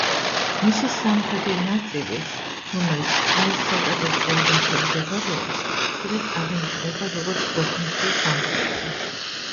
მისი სამხრეთი ნაწილი, რომელიც ტროის საკადასტრო უბანში მდებარეობს ხშირად აღინიშნება როგორც ბოჰნიცე-სამხრეთი.